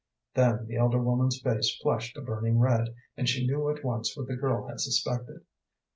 Then the elder woman's face flushed a burning red, and she knew at once what the girl had suspected.